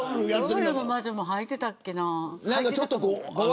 東洋の魔女もはいていたっけな。